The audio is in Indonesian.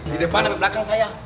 di depan atau belakang saya